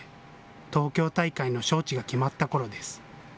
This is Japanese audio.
東京大会の招致が決まったころです。